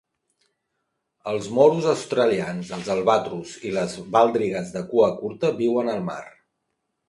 Els morus australians, els albatros i les baldrigues de cua curta viuen al mar.